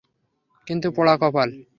কিন্তু পোড়া কপাল!